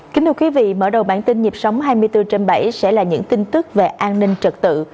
kính thưa quý vị mở đầu bản tin nhịp sống hai mươi bốn trên bảy sẽ là những tin tức về an ninh trật tự